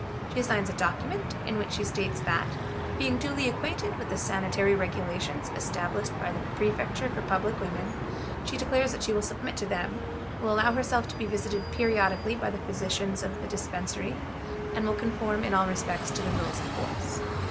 She signs a document, in which she states that, "being duly acquainted with the sanitary regulations established by the Prefecture for Public Women, she declares that she will submit to them, will allow herself to be visited periodically by the physicians of the Dispensary, and will conform in all respects to the rules in force."